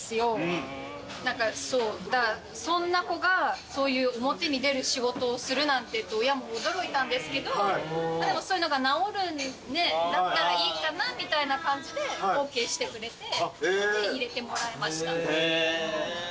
そんな子がそういう表に出る仕事をするなんてって親も驚いたんですけどでもそういうのが直るんだったらいいかなみたいな感じでＯＫしてくれて入れてもらいました。